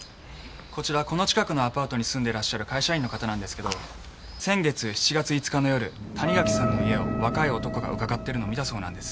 こちらこの近くのアパートに住んでらっしゃる会社員の方なんですけど先月７月５日の夜谷垣さんの家を若い男がうかがってるのを見たそうなんです。